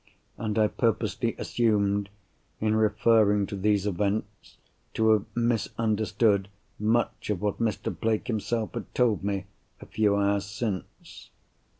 And I purposely assumed, in referring to these events, to have misunderstood much of what Mr. Blake himself had told me a few hours since.